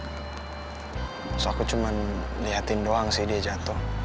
terus aku cuma liatin doang sih dia jatuh